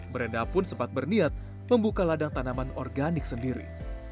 brenda pun sempat berniat membuka ladang tanaman organik sendiri